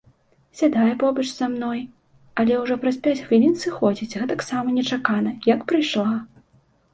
Сядае побач са мной, але ўжо праз пяць хвілін сыходзіць гэтаксама нечакана, як прыйшла.